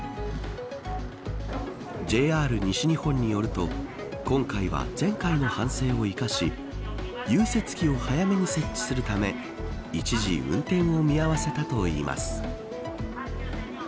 ＪＲ西日本によると今回は前回の反省を生かし融雪器を早めに設置するため一時、運転を見合わせたといいます。